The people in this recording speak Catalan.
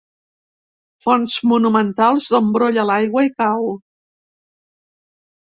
Fonts monumentals d'on brolla l'aigua i cau.